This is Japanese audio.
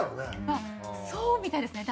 あっそうみたいですね。